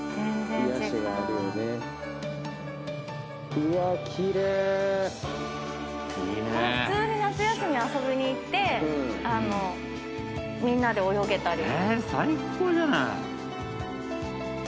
これ普通に夏休み遊びに行ってみんなで泳げたり。